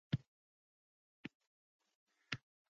Ikki marta uni qo‘yib yubordim